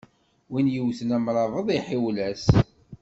Win yewten amrabeḍ iḥiwel-as.